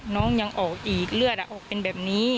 น้องยังออกอีกเลือดออกเป็นแบบนี้